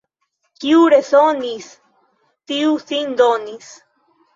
Kiu resonis, tiu sin donis.